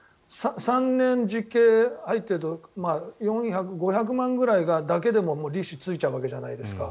３年実刑で入っていると５００万ぐらいだけでも利子がついちゃうじゃないですか。